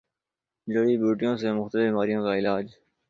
جڑی بوٹیوں سےمختلف بیماریوں کا علاج